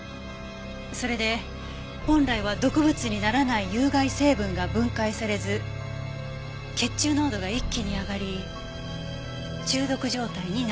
それで本来は毒物にならない有害成分が分解されず血中濃度が一気に上がり中毒状態になってしまった。